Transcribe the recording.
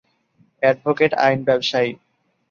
Advocate আইন ব্যবসায়ী।